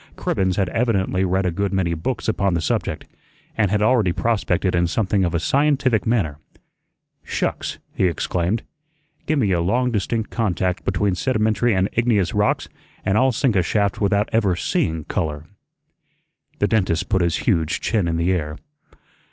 Cribbens had evidently read a good many books upon the subject, and had already prospected in something of a scientific manner. "Shucks!" he exclaimed. "Gi' me a long distinct contact between sedimentary and igneous rocks, an' I'll sink a shaft without ever SEEING 'color.'" The dentist put his huge chin in the air.